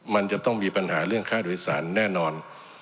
มันจะต้องมีปัญหาเรื่องค่าโดยสารแน่นอน